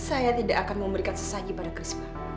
aku tidak akan memberikan sesaji pada kris